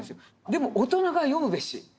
でも大人が読むべし。